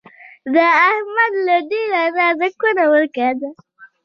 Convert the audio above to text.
د احمد له ډېره نازه کونه ورکه ده